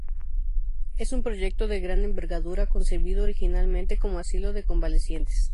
Es un proyecto de gran envergadura concebido originalmente como asilo de convalecientes.